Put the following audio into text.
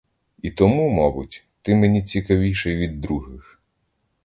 І тому, мабуть, ти мені цікавіший від других.